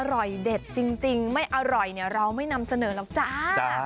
อร่อยเด็ดจริงไม่อร่อยเนี่ยเราไม่นำเสนอหรอกจ้า